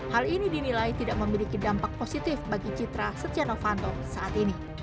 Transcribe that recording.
hal ini dinilai tidak memiliki dampak positif bagi citra setia novanto saat ini